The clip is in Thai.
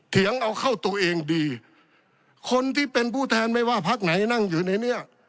เงียงเอาเข้าตัวเองดีคนที่เป็นผู้แทนไม่ว่าพักไหนนั่งอยู่ในเนี้ย